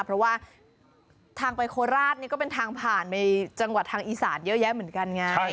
เพราะว่าทางไปโคราชนี่ก็เป็นทางผ่านไปจังหวัดทางอีสานเยอะแยะเหมือนกันไง